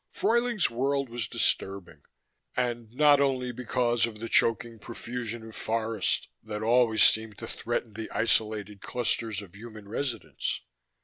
Fruyling's World was disturbing, and not only because of the choking profusion of forest that always seemed to threaten the isolated clusters of human residence.